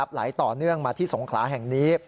ไหลต่อเนื่องมาที่สงขลาแห่งนี้